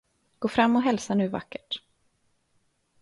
Gå fram och hälsa nu vackert.